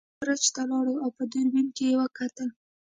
ډګروال برج ته لاړ او په دوربین کې یې وکتل